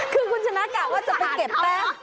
คือคุณชนะกะว่าจะไปเก็บแป้ง